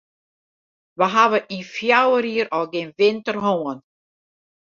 Wy hawwe yn fjouwer jier al gjin winter hân.